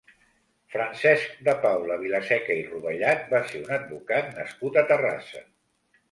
Francesc de Paula Vilaseca i Rovellat va ser un advocat nascut a Terrassa.